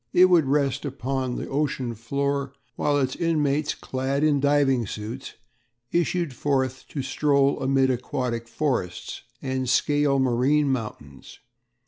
It would rest upon the ocean floor while its inmates, clad in diving suits, issued forth to stroll amid aquatic forests and scale marine mountains.